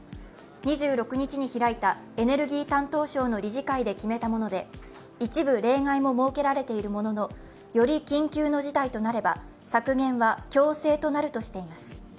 ２６日に開いたエネルギー担当相の理事会で決めたもので一部例外も設けられているものの、より緊急の事態となれば削減は強制となるとしています。